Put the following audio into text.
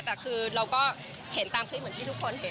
แต่คือเราก็เห็นตามคลิปเหมือนที่ทุกคนเห็น